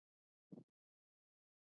ما مخکښې هم د دغه خرو د لاسه